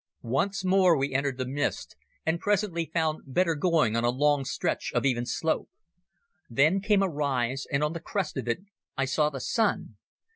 Once more we entered the mist, and presently found better going on a long stretch of even slope. Then came a rise, and on the crest of it I saw the sun.